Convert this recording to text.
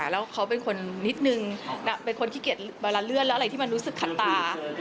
แล้วเขาเป็นคนนิดนึงเป็นคนขี้เกียจบาราเลือดแล้วอะไรที่มันรู้สึกขัดตา